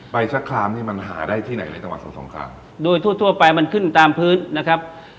สักครามนี่มันหาได้ที่ไหนในจังหวัดสงสงครามโดยทั่วทั่วไปมันขึ้นตามพื้นนะครับ